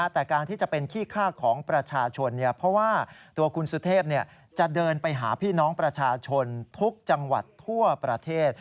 แต่การที่จะเป็นขี้ฆ่าของประชาชนเพราะว่าตัวคุณสุเทพจะเดินไปหาพี่น้องประชาชนทุกจังหวัดทั่วประเทศ